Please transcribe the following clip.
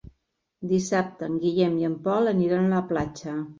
Dissabte en Guillem i en Pol aniran a la platja.